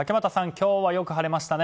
今日はよく晴れましたね。